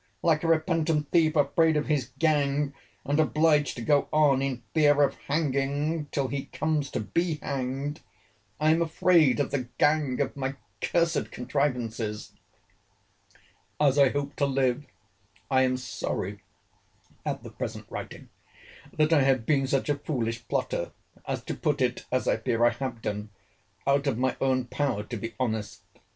Like a repentant thief, afraid of his gang, and obliged to go on, in fear of hanging till he comes to be hanged, I am afraid of the gang of my cursed contrivances. "As I hope to live, I am sorry, (at the present writing,) that I have been such a foolish plotter, as to put it, as I fear I have done, out of my own power to be honest.